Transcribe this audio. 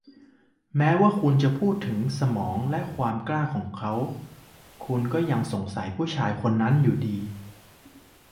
แม้ว่าคุณจะพูดถึงมันสมองและความกล้าของเขา คุณก็จะยังสงสัยผู้ชายคนนั้นอยู่ดี